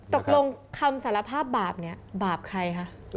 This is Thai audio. คำสารภาพบาปนี้บาปใครคะ